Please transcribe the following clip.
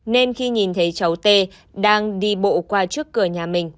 nên khi nhìn thấy cháu tê đang đi bộ qua trước cửa nhà mình